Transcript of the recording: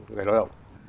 người lao động